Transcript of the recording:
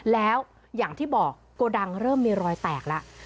แล้วอย่างที่บอกโกดังเริ่มมีรอยแตกแล้ว